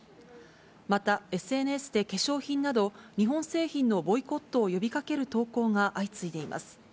また、ＳＮＳで化粧品など、日本製品のボイコットを呼びかける投稿が相次いでいます。